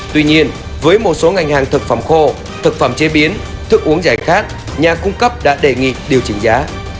tuy nhiên với một số ngành hàng thực phẩm khô thực phẩm chế biến thức uống giải khát nhà cung cấp đã đề nghị điều chỉnh giá